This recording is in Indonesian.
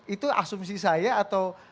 itu asumsi saya atau